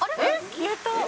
消えた。